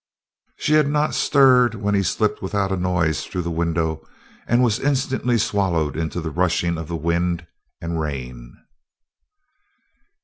She had not stirred when he slipped without a noise through the window and was instantly swallowed in the rushing of the wind and rain.